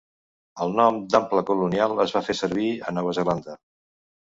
El nom d'Ample Colonial es va fer servir a Nova Zelanda.